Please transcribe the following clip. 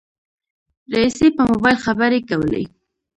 رئيسې په موبایل خبرې کولې.